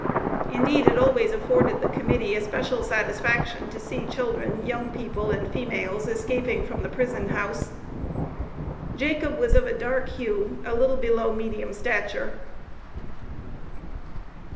Indeed, it always afforded the Committee especial satisfaction to see children, young people, and females escaping from the prison house. Jacob was of a dark hue, a little below medium stature.